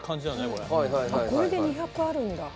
これで２００あるんだ。